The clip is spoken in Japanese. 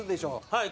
はい。